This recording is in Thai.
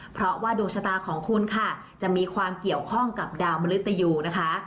เพราะว่าดวงชะตาของคุณค่ะจะมีความเกี่ยวข้องกับดาวมริตยูนะคะ